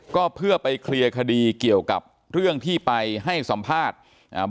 ก็เพื่อไปเคลียร์คดีเกี่ยวกับเรื่องที่ไปให้สัมภาษณ์อ่า